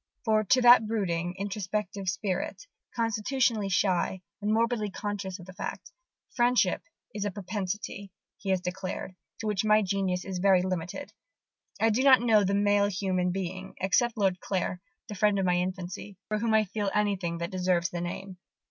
For, to that brooding, introspective spirit, constitutionally shy, and morbidly conscious of the fact, "friendship is a propensity," he has declared, "to which my genius is very limited. I do not know the male human being, except Lord Clare, the friend of my infancy, for whom I feel anything that deserves the name.